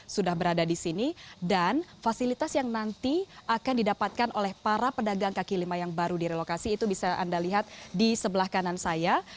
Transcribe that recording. sudah berada di sini dan fasilitas yang nanti akan didapatkan oleh para pedagang kaki lima yang baru direlokasi itu bisa anda lihat di sebelah kanan saya